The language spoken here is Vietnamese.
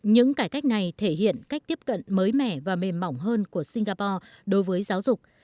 những cải cách này thể hiện cách tiếp cận mới mẻ và mềm mỏng hơn của singapore đối với giáo dục